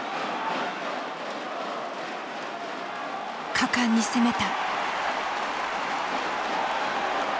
果敢に攻めた。